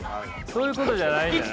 そういうことじゃないんじゃない。